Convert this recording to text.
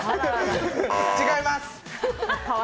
違います。